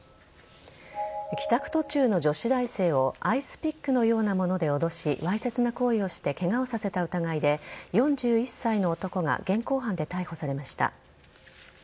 帰宅途中の女子大生をアイスピックのようなもので脅しわいせつな行為をしてケガをさせた疑いで４１歳の男が現行犯で逮捕されました。